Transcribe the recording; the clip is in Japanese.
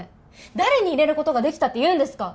誰に入れることができたって言うんですか！？